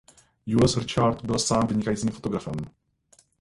Jules Richard byl sám vynikajícím fotografem.